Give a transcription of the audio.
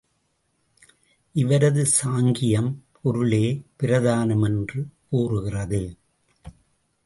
இவரது சாங்கியம் பொருளே பிரதானம் என்று கூறுகிறது.